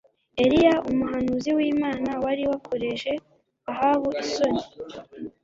Eliya umuhanuzi wImana wari wakoreje Ahabu isoni